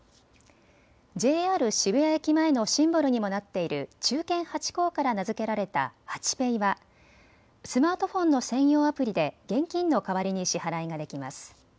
渋谷駅前のシンボルにもなっている忠犬ハチ公から名付けられたハチペイはスマートフォンの専用アプリで現金の代わりに支払いができます。